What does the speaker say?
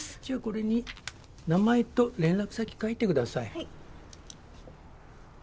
じゃあこれに名前と連絡先書いてください。